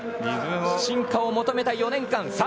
進化を求めた４年間。